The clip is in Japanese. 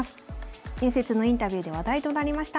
伝説のインタビューで話題となりました